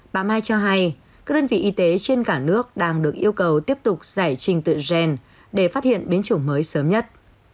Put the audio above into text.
bà mai cho hay các đơn vị y tế trên cả nước đang được yêu cầu tiếp tục giải trình tự gen để phát hiện biến chủng mới sớm nhất